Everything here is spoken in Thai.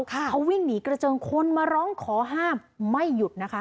เขาวิ่งหนีกระเจิงคนมาร้องขอห้ามไม่หยุดนะคะ